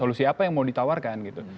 solusi apa yang mau ditawarkan gitu